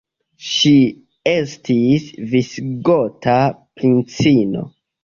Ŝi estis visigota princino.